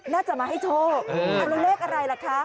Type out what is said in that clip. น่าจะมาให้โชคเอาแล้วเลขอะไรล่ะคะ